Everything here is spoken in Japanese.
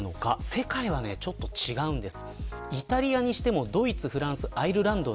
世界はちょっと違うんです。